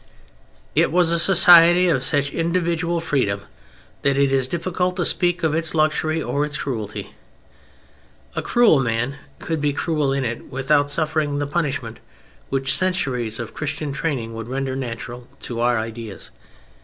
It was a society of such individual freedom that it is difficult to speak of its "luxury" or its "cruelty." A cruel man could be cruel in it without suffering the punishment which centuries of Christian training would render natural to our ideas.